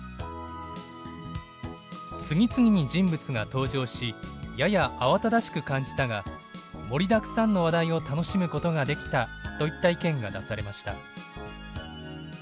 「次々に人物が登場しやや慌ただしく感じたが盛りだくさんの話題を楽しむことができた」といった意見が出されました。